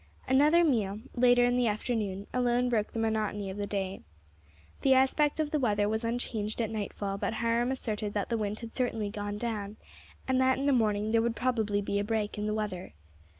Another meal, later in the afternoon, alone broke the monotony of the day. The aspect of the weather was unchanged at nightfall, but Hiram asserted that the wind had certainly gone down, and that in the morning there would probably be a break in the weather.